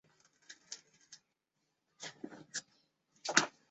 线黑粉菌目是银耳纲下属的一种属于真菌的目。